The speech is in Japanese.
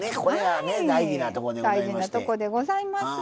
大事なことでございます。